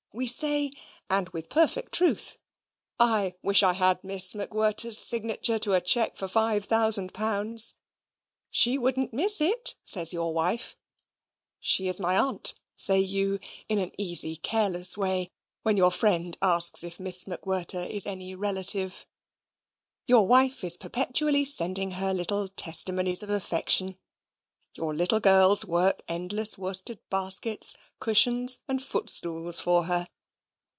We say (and with perfect truth) I wish I had Miss MacWhirter's signature to a cheque for five thousand pounds. She wouldn't miss it, says your wife. She is my aunt, say you, in an easy careless way, when your friend asks if Miss MacWhirter is any relative. Your wife is perpetually sending her little testimonies of affection, your little girls work endless worsted baskets, cushions, and footstools for her.